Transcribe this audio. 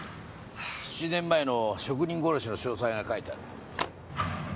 ７年前の職人殺しの詳細が書いてある。